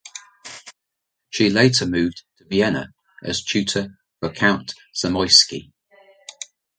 She later moved to Vienna as tutor for Count Zamoyski.